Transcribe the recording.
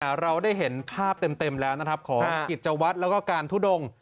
เราได้เห็นภาพเต็มเต็มแล้วนะครับของกิจวัตรแล้วก็การทุดง